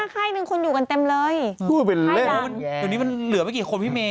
ค่ายหนึ่งคุณอยู่กันเต็มเลยค่ายดั่งอยู่นี้มันเหลือไม่กี่คนพี่เมย์